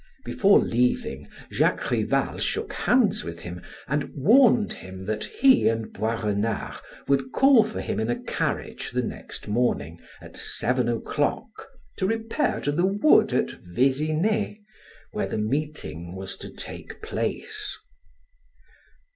Before leaving, Jacques Rival shook hands with him and warned him that he and Boisrenard would call for him in a carriage the next morning at seven o'clock to repair to the wood at Vesinet, where the meeting was to take place.